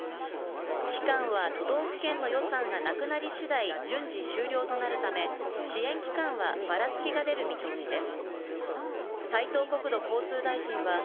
期間は都道府県の予算がなくなり次第順次終了となるため、支援期間はばらつきが出る見通しです。